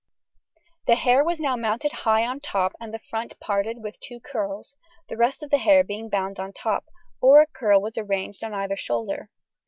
The hair was now mounted high on top and the front parted with two curls, the rest of the hair being bound on top, or a curl was arranged on either shoulder.